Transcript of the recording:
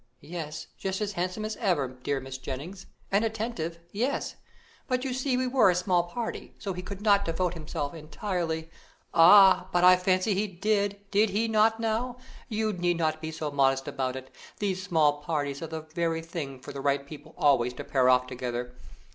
"Yes, just as handsome as ever, dear Mrs. Jennings, and attentive yes but you see we were a small party, so he could not devote himself entirely " "Ah, but I fancy he did did he not now? You need not be so modest about it; these small parties are the very thing for the right people always to pair off together.